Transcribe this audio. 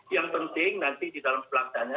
yang penting nanti di dalam pelaksanaan